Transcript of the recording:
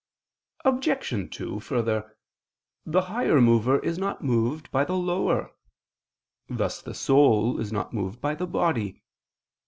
Obj. 2: Further, the higher mover is not moved by the lower; thus the soul is not moved by the body.